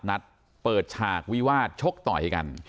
นัดเปิดฉากวิวาสชกต่อยกัน